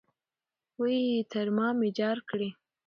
وئ ! تر تامي جار کړې